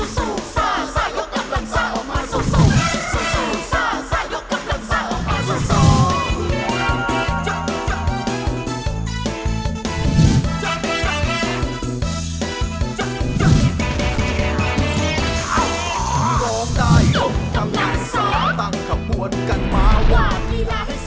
สู้สู้ซ่าซ่ายกกำลังซ่าออกมาสู้สู้